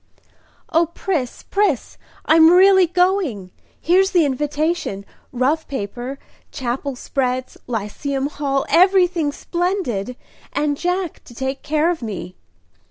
"O Pris, Pris, I'm really going! Here's the invitation rough paper Chapel spreads Lyceum Hall everything splendid; and Jack to take care of me!"